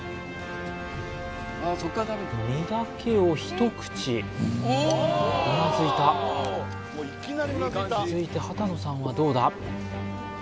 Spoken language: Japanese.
身だけを一口うなずいた続いて秦野さんはどうだ？